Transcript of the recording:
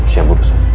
saya burus ma